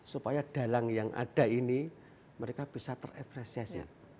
supaya dalang yang ada ini mereka bisa terepresiasi